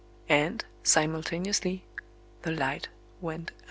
And, simultaneously, the light went out.